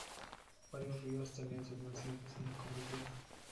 Varios ríos tenían sus nacientes en la cordillera.